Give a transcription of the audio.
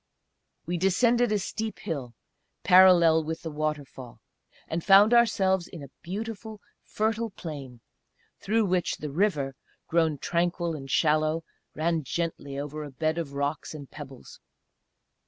We descended a steep hill, parallel with the waterfall, and found ourselves in a beautiful fertile plain, through which the river, grown tranquil and shallow, ran gently over a bed of rocks and pebbles.